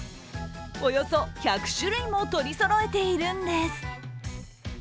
およそ１００種類も取りそろえているんです。